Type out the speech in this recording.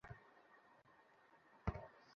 এখন যে লোকটা আসছে তাকে চেনো?